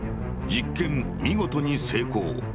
「実験見事に成功」。